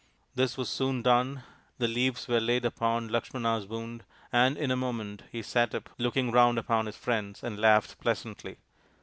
This was soon done, the leaves were laid upon RAMA'S QUEST 51 Lakshmana's wound, and in a moment he sat up, looked round upon his friends, and laughed pleasantly.